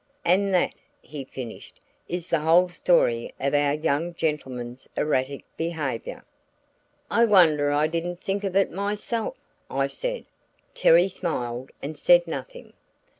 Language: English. And that," he finished, "is the whole story of our young gentleman's erratic behavior." "I wonder I didn't think of it myself," I said. Terry smiled and said nothing.